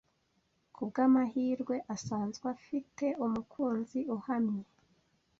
Kubwamahirwe asanzwe afite umukunzi uhamye.